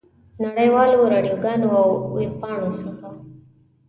نړۍ والو راډیوګانو او ویبپاڼو څخه.